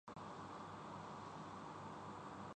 اللہ تعالی کے حسن و جمال کا کوئی اندازہ نہیں لگا سکت